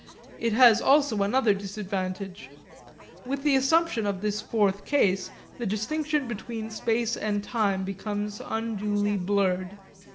It has also another disadvantage. With the assumption of this fourth case the distinction between space and time becomes unduly blurred.